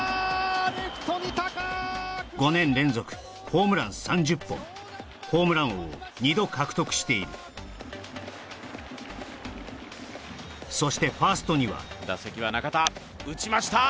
レフトに高く５年連続ホームラン３０本ホームラン王を２度獲得しているそしてファーストには打席は中田打ちました！